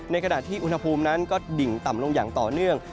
ขณะที่อุณหภูมินั้นก็ดิ่งต่ำลงอย่างต่อเนื่อง